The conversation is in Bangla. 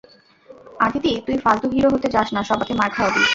আদিতি, তুই ফালতো হিরো হতে যাস না সবাকে মার খাওয়াবি।